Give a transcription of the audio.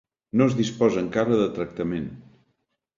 No es disposa encara de tractament.